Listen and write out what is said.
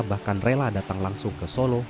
bahkan rela datang langsung ke solo